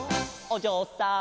「おじょうさん」